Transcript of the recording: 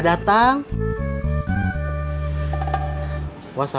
jadi itu lihat lah